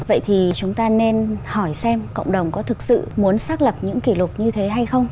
vậy thì chúng ta nên hỏi xem cộng đồng có thực sự muốn xác lập những kỷ lục như thế hay không